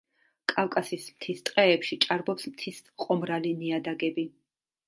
კავკასიის მთის ტყეებში ჭარბობს მთის ტყის ყომრალი ნიადაგები.